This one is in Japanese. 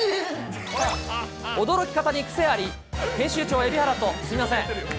驚き方に癖あり、編集長、蛯原と、すみません。